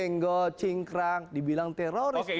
anjeng go cingkrang dibilang teroris